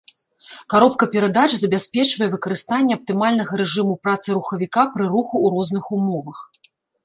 Каробка перадач забяспечвае выкарыстанне аптымальнага рэжыму працы рухавіка пры руху ў розных умовах.